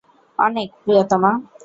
অনেক, প্রিয়তমা।